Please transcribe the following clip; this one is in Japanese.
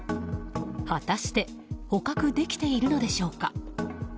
果たして捕獲できているのでしょうか。